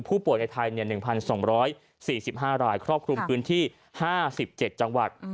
ผู้ป่วยในไทย๑๒๔๕รายครอบคลุมพื้นที่๕๗จังหวัด